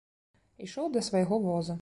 Ішоў да свайго воза.